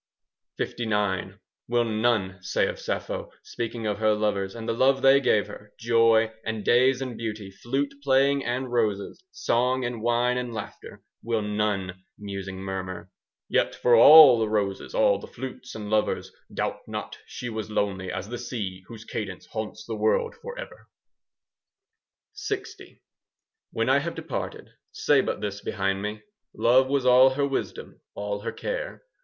LIX Will none say of Sappho, Speaking of her lovers, And the love they gave her,— Joy and days and beauty, Flute playing and roses, 5 Song and wine and laughter,— Will none, musing, murmur, "Yet, for all the roses, All the flutes and lovers, Doubt not she was lonely 10 As the sea, whose cadence Haunts the world for ever." LX When I have departed, Say but this behind me, "Love was all her wisdom, All her care.